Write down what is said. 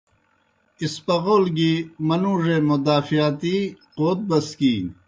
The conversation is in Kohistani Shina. اسپغول گیْ منُوڙے مدافعتی قوت بسکِینیْ۔